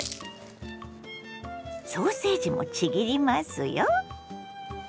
ソーセージもちぎりますよ。